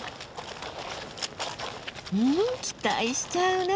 うん期待しちゃうな。